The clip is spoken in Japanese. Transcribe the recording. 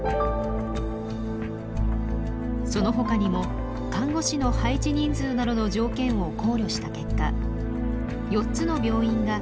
そのほかにも看護師の配置人数などの条件を考慮した結果４つの病院が中等症